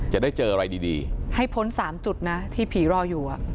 จะได้เจออะไรดีให้พ้น๓จุดนะที่ผีรออยู่